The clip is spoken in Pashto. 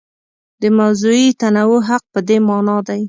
د موضوعي تنوع حق په دې مانا دی.